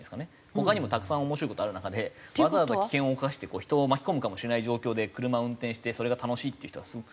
他にもたくさん面白い事ある中でわざわざ危険を冒して人を巻き込むかもしれない状況で車を運転してそれが楽しいっていう人はすごく少ない気がしますけどね。